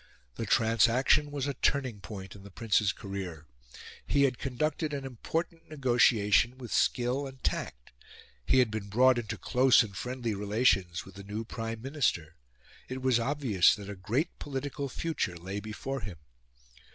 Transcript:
The transaction was a turning point in the Prince's career. He had conducted an important negotiation with skill and tact; he had been brought into close and friendly relations with the new Prime Minister; it was obvious that a great political future lay before him.